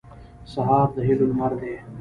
سهار د هیلو لمر دی.